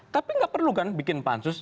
tapi nggak perlu kan bikin pansus